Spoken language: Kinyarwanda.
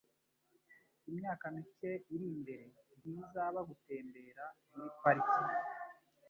Imyaka mike iri imbere ntizaba gutembera muri parike.